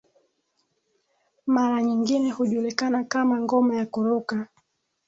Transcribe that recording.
mara nyingine hujulikana kama ngoma ya kuruka